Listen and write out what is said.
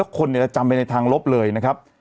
คนจะจำไปในทางลบเลยนะครับ